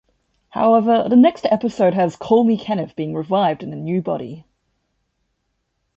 However the next episode has Call-Me-Kenneth being revived in a new body.